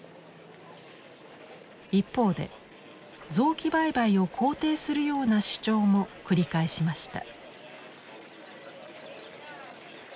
一方で臓器売買を肯定するような主張も繰り返しました。